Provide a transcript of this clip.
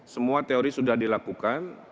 semua teori sudah dilakukan